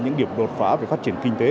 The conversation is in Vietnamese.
những điểm đột phá về phát triển kinh tế